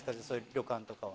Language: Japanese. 旅館とかは。